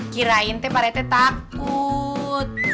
kirain teh pak reti takut